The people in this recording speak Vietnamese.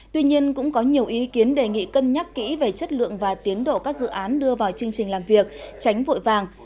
tuy nhiên cũng có nhiều ý kiến đề nghị cân nhắc kỹ về chất lượng và tiến độ các dự án đưa vào chương trình làm việc tránh vội vàng